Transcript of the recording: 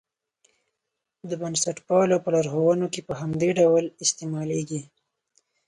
د بنسټپالو په لارښوونو کې په همدې ډول استعمالېږي.